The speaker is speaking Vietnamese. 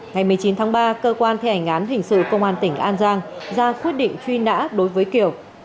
ngày một mươi chín tháng ba cơ quan thể ngán hình sự công an tỉnh an giang ra quyết định truy nã đối với kiều